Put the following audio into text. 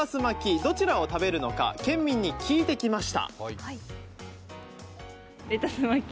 どちらを食べるのか県民に聞いてきました。